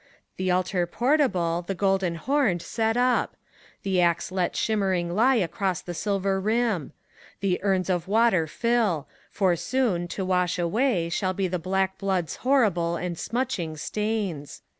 The altar portable, the golden homed, set up I The axe let shimmering lie across the silver rim ! The urns of water fill ! For soon, to wash away. Shall be the black blood's horrible and smutching stains.